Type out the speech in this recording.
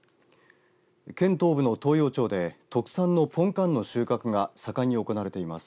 県東部の東洋町で特産のポンカンの収穫が盛んに行われています。